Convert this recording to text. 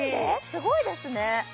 すごいですね